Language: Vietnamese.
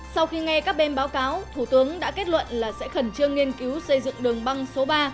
sau khi nghe các bên báo cáo thủ tướng đã kết luận là sẽ khẩn trương nghiên cứu xây dựng đường băng số ba